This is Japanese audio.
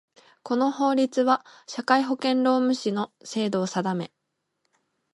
この法律は、社会保険労務士の制度を定め